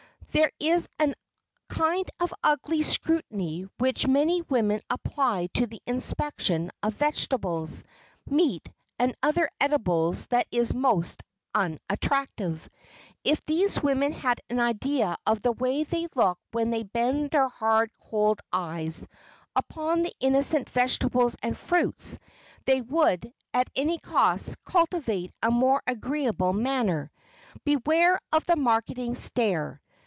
There is a kind of ugly scrutiny which many women apply to the inspection of vegetables, meat and other edibles that is most unattractive. If these women had an idea of the way they look when they bend their hard cold eyes upon the innocent vegetables and fruits, they would, at any cost, cultivate a more agreeable manner. Beware of the marketing stare.